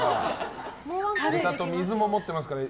豚と水も持ってますから。